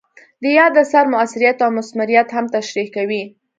د یاد اثر مؤثریت او مثمریت هم تشریح کوي.